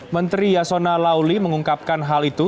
menteri yasona lauli mengungkapkan hal itu